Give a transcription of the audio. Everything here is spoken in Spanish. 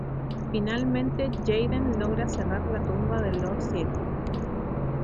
Finalmente, Jaden logra cerrar la tumba del Lord Sith.